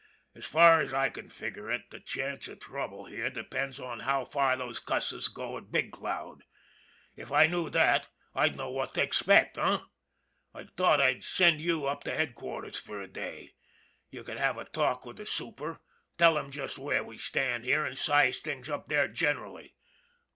As far as I can figur' it the chance of trouble here depends on how far those cusses go at Big Cloud. If I knew that, I'd know what to expect, h'm ? I thought I'd send you up to headquarters for a day. You could have a talk with the super, tell him just where we stand here, an* size things up there generally.